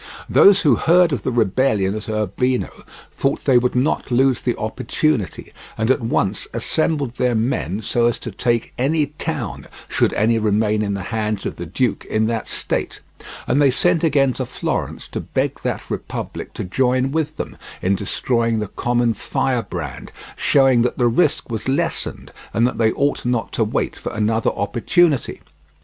Those who heard of the rebellion at Urbino thought they would not lose the opportunity, and at once assembled their men so as to take any town, should any remain in the hands of the duke in that state; and they sent again to Florence to beg that republic to join with them in destroying the common firebrand, showing that the risk was lessened and that they ought not to wait for another opportunity.